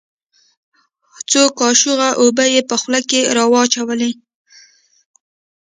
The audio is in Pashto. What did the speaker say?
څو کاشوغه اوبه يې په خوله کښې راواچولې.